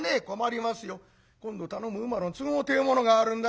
今度頼む乳母の都合てえいうものがあるんだ。